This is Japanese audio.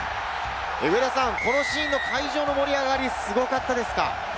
上田さん、このシーンの会場の盛り上がり、すごかったですか？